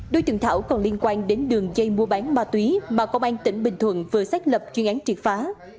đối tượng thảo còn liên quan đến đường dây mua bán ma túy mà công an tỉnh bình thuận vừa xác lập chuyên án triệt phá